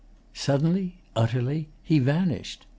'Suddenly, utterly, he vanished.